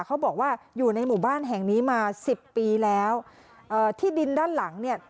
เขาบอกว่าอยู่ในหมู่บ้านแห่งนี้มาสิบปีแล้วเอ่อที่ดินด้านหลังเนี่ย